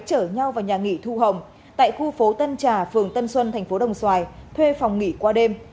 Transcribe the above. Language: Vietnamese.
chở nhau vào nhà nghỉ thu hồng tại khu phố tân trà phường tân xuân thành phố đồng xoài thuê phòng nghỉ qua đêm